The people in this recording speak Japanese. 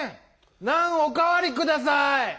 「ナン」おかわりください！